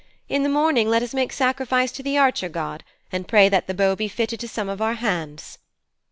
In the morning let us make sacrifice to the Archer god, and pray that the bow be fitted to some of our hands.'